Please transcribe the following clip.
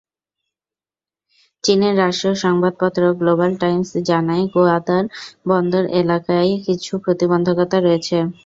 চীনের রাষ্ট্রীয় সংবাদপত্র গ্লোবাল টাইমস জানায়, গোয়াদার বন্দর এলাকায় কিছু প্রতিবন্ধকতা রয়েছে।